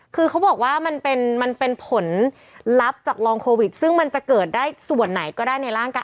คือเขาบอกว่ามันเป็นผลลัพธ์จากลองโควิดซึ่งมันจะเกิดได้ส่วนไหนก็ได้ในร่างกาย